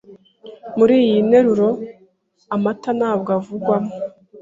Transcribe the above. Mur’iyi nteruro, amata ntabwo avugwamo.